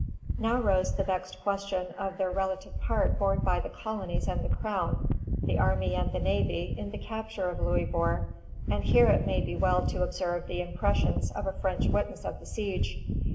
Now rose the vexed question of the relative part borne by the colonies and the Crown, the army and the navy, in the capture of Louisbourg; and here it may be well to observe the impressions of a French witness of the siege.